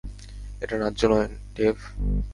এটা ন্যায্য নয়, ডেভ।